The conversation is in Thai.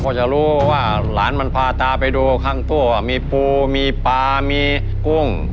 จะรู้ว่าหลานมันพาตาไปดูข้างตัวมีปูมีปลามีกุ้ง